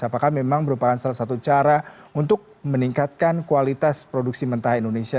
apakah memang merupakan salah satu cara untuk meningkatkan kualitas produksi mentah indonesia